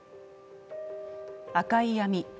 「赤い闇